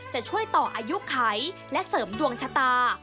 จะช่วยต่ออายุไขและเสริมดวงชะตา